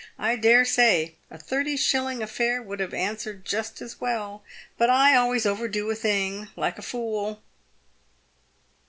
I dare say a thirty shilling affair would have answered just as well ; but I always overdo a thW, like a fool."